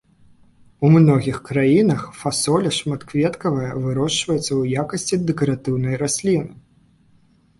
У многіх краінах фасоля шматкветкавая вырошчваецца ў якасці дэкаратыўнай расліны.